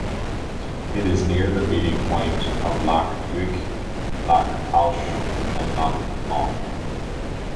It is near the meeting point of Loch Duich, Loch Alsh and Loch Long.